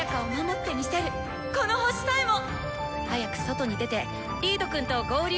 早く外に出てリードくんと合流。